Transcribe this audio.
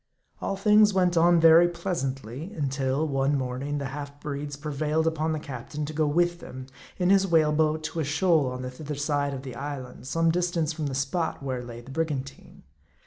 All things went on very pleasantly until, one morning, the half breeds prevailed upon the captain to go with them, in his whale boat, to a shoal on the thither side of the island, some distance from the spot where lay the brigantine.